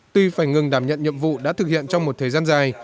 tuy phải ngừng đảm nhận nhiệm vụ đã thực hiện trong một thời gian dài